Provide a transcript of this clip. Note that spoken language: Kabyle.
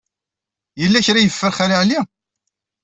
Yella kra ay yeffer Xali Ɛli?